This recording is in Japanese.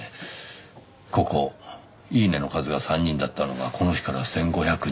ここ「いいね」の数が３人だったのがこの日から１５００人。